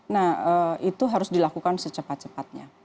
nah itu harus dilakukan secepat cepatnya